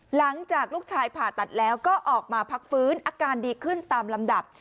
หลังจากลูกชายผ่าตัดแล้วก็ออกมาพักฟื้นอาการดีขึ้นตามลำดับ